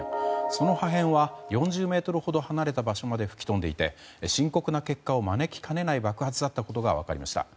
その破片は４０ｍほど離れた場所まで吹き飛んでいて深刻な結果を招きかねない爆発だったことが分かりました。